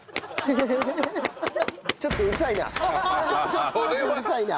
ちょっとだけうるさいな。